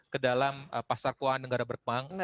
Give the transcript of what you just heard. ke dalam pasar keuangan negara berkembang